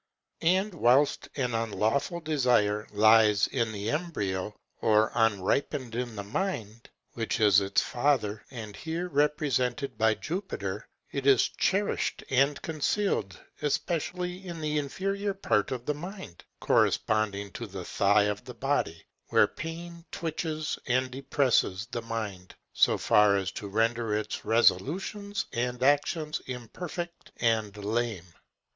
And whilst an unlawful desire lies in the embryo, or unripened in the mind, which is its father, and here represented by Jupiter, it is cherished and concealed, especially in the inferior part of the mind, corresponding to the thigh of the body, where pain twitches and depresses the mind so far as to render its resolutions and actions imperfect and lame.